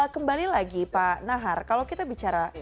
kembali lagi pak nahar kalau kita bicara